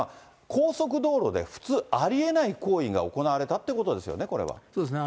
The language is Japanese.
高速道路で普通、ありえない行為が行われたってことですよね、こそうですね。